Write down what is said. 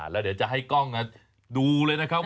แล้วเดี๋ยวจะให้กล้องดูเลยนะครับ